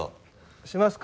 しますか？